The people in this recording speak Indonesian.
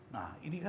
nah ini kan